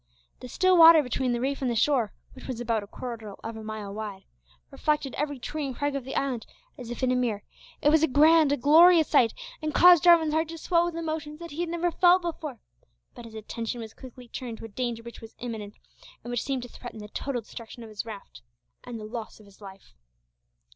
The still water between the reef and the shore, which was about a quarter of a mile wide, reflected every tree and crag of the island, as if in a mirror. It was a grand, a glorious sight, and caused Jarwin's heart to swell with emotions that he had never felt before; but his attention was quickly turned to a danger which was imminent, and which seemed to threaten the total destruction of his raft, and the loss of his life.